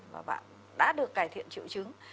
và bạn đã được cải thiện triệu chứng